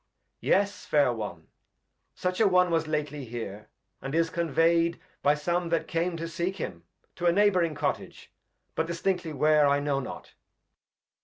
Yes, Fair One, such a one was lately here. And is convey'd by some that came to seek him, To a Neighb'ring Cottage ; but distinctly where, I know not.